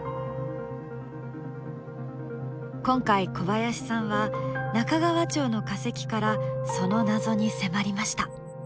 今回小林さんは中川町の化石からその謎に迫りました。